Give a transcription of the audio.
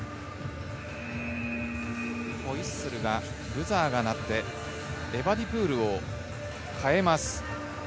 ホイッスル、ブザーがなってエバディプールを代えます。